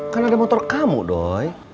kan ada motor kamu doy